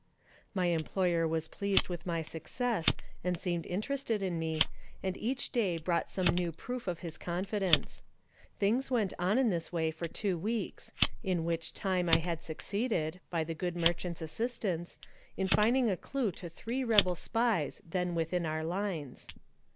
My employer was pleased with my success and seemed interested in me, and each day brought some new proof of his confidence. Things went on this way for two weeks, in which time I had succeeded, by the good merchant's assistance, in finding a clue to three rebel spies then within our lines.